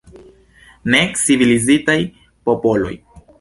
Necivilizitaj popoloj.